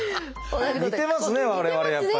似てますね我々やっぱり。